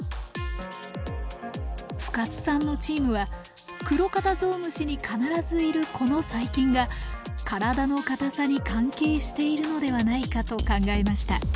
深津さんのチームはクロカタゾウムシに必ずいるこの細菌が体の硬さに関係しているのではないかと考えました。